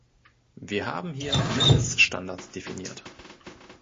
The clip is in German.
Wir haben hier Mindeststandards definiert.